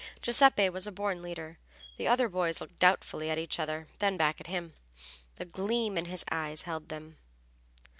Giuseppe was a born leader. The other boys looked doubtfully at each other, then back at him. The gleam in his eyes held them.